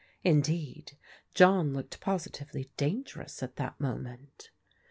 Indeed John looked posi tively dangerous at that moment.